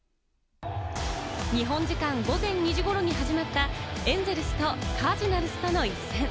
日本時間午前２時頃に始まったエンゼルスとカージナルスとの一戦。